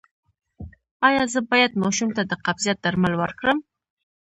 ایا زه باید ماشوم ته د قبضیت درمل ورکړم؟